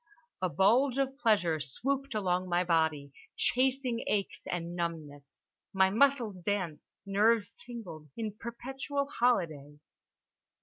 A bulge of pleasure swooped along my body, chasing aches and numbness, my muscles danced, nerves tingled in perpetual holiday.